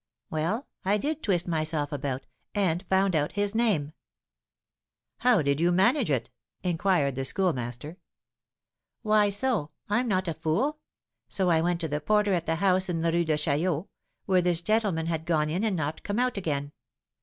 "Well, I did twist myself about, and found out his name." "How did you manage it?" inquired the Schoolmaster. "Why, so. I'm not a fool; so I went to the porter at the house in the Rue de Chaillot, where this gentleman had gone in and not come out again.